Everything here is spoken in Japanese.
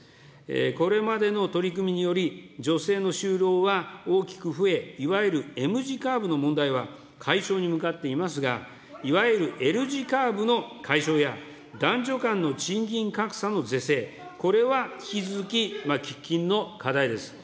これまでの取り組みにより、女性の就労は大きく増え、いわゆるＭ字カーブの問題は解消に向かっていますが、いわゆるＬ字カーブの解消や、男女間の賃金格差の是正、これは引き続き喫緊の課題です。